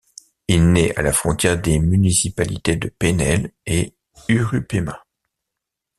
Il naît à la frontière des municipalités de Painel et Urupema.